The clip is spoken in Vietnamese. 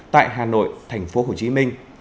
tại hà nội thành phố hồ chí minh